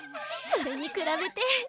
それに比べて。